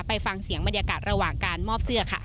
ไปฟังเสียงบรรยากาศระหว่างการมอบเสื้อค่ะ